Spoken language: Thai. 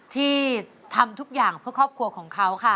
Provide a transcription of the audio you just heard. ที่ทำทุกอย่าง